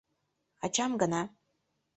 — Ачам гына.